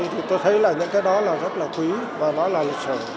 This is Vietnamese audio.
thì tôi thấy là những cái đó là rất là quý và nó là lịch sử